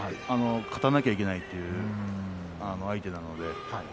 勝たなきゃいけないという相手なので。